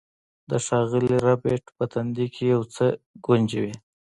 د ښاغلي ربیټ په تندي کې یو څه ګونځې وې